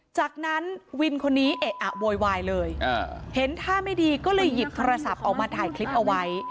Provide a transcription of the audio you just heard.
จากนั้นวินคนนี้เอะอะโวยวายเลยเห็นท่าไม่ดีก็เลยหยิบโทรศัพท์ออกมาถ่ายคลิปเอาไว้